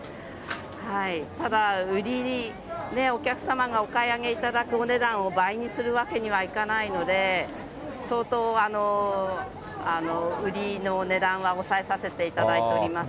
ただ売りにね、お客様がお買い上げいただくお値段を倍にするわけにはいかないので、相当、売りの値段は抑えさせていただいております。